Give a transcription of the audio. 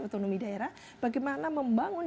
otonomi daerah bagaimana membangun